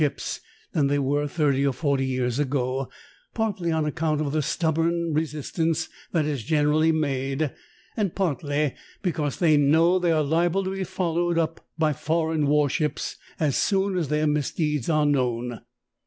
ships than they were thirty or " forty years ago, partly on account of the stubborn resistance that is gen ' erally made, and parti V because \ thev know the^^ are liable to be fol lowed up by foreign war ships as soon as their misdeeds are known.